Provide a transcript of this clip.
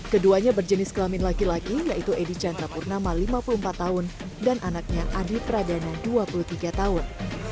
keduanya berjenis kelamin laki laki yaitu edi chandrapurnama lima puluh empat tahun dan anaknya adi pradana dua puluh tiga tahun